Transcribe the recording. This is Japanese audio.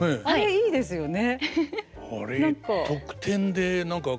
いいですよね。